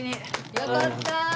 よかった！